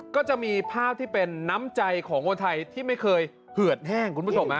ก็จะมีภาพที่เป็นน้ำใจของคนไทยที่ไม่เคยเหือดแห้งคุณผู้ชม